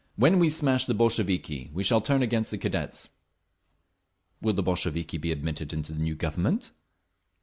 When we smash the Bolsheviki we shall turn against the Cadets…." "Will the Bolsheviki be admitted into the new Government?"